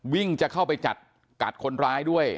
วิ่งจะเข้าไปจัดกัดคนร้ายด้วย